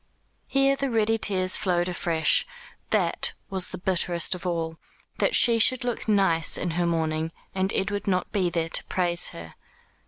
Here the ready tears flowed afresh. That was the bitterest of all. That she should look nice in her mourning, and Edward not be there to praise her.